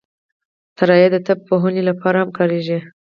الوتکه د طب پوهنې لپاره هم کارېږي.